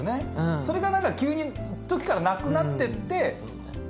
それが急にいっときからなくなってって。